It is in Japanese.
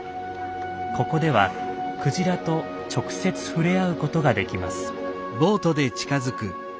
ここではクジラと直接触れ合うことができます。